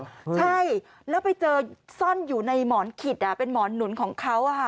ใช่แล้วไปเจอซ่อนอยู่ในหมอนขิดเป็นหมอนหนุนของเขา